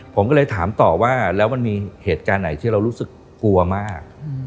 ผมก็เลยถามต่อว่าแล้วมันมีเหตุการณ์ไหนที่เรารู้สึกกลัวมาก